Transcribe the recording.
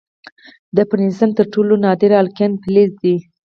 د فرنسیم تر ټولو نادر الکالین فلز دی.